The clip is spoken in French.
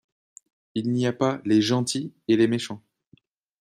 Il n’y a pas les « gentils » et les « méchants ».